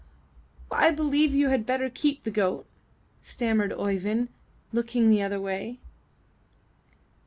''I believe you had better keep the goat," stam mered Oeyvind, looking the other way.